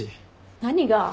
何が？